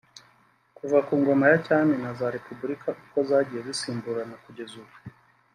Kuva ku ngoma ya cyami na za Repubulika uko zagiye zisimburana kugeza ubu